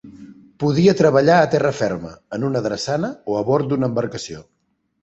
Podia treballar a terra ferma, en una drassana, o a bord d'una embarcació.